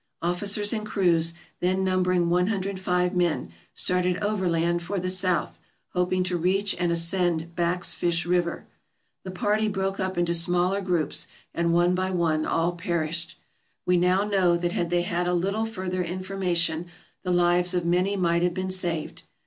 Officers and crews, then numbering 105 men, started overland for the south, hoping to reach and ascend Back's Fish River. The party broke up into smaller groups and one by one all perished. We now know that had they had a little further information the lives of many might have been saved.